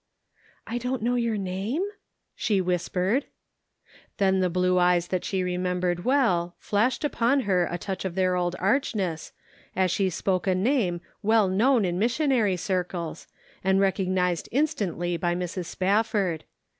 " I don't know your name ?" she whispered. Then the blue eyes that she remembered well, flashed upon her a touch of their old arch ness, as she spoke a name well known in mis sionary circles and recognized instantly by Measuring Enthusiasm. 451 Mrs. Spafford.